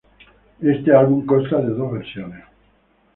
Este álbum consta de dos versiones.